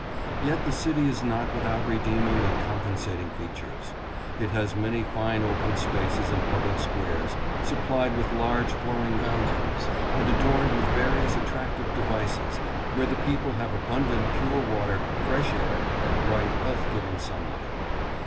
Yet the city is not without redeeming and compensating features. MODERN HOME. 697 It has many fine open spaces and public squares, sup plied with large flowing fountains, and adorned with various attractive devices, where the people have abun dant pure water, fresh air, and bright, health giving sun light.